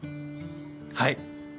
はい！